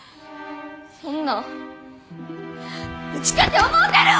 そんなんウチかて思うてるわ！